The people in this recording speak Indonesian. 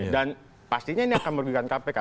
dan pastinya ini akan merugikan kpk